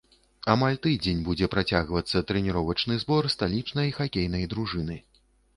Амаль тыдзень будзе працягвацца трэніровачны збор сталічнай хакейнай дружыны.